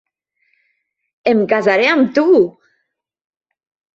Em casaré amb tu!